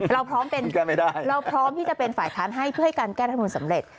เราพร้อมที่จะเป็นฝ่ายค้านให้เพื่อให้การแก้รัฐบาลสำเร็จ